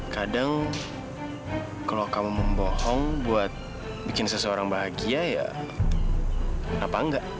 kadang kalau kamu membohong buat bikin seseorang bahagia ya apa enggak